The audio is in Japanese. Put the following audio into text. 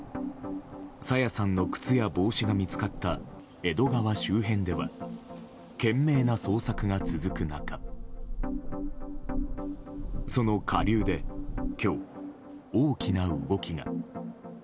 朝芽さんの靴や帽子が見つかった江戸川周辺では懸命な捜索が続く中その下流で今日、大きな動きが。